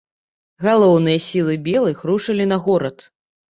Галоўныя сілы белых рушылі на горад.